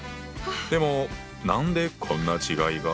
でも何でこんな違いが？